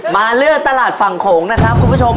มาเลือกตลาดฝั่งโขงนะครับคุณผู้ชม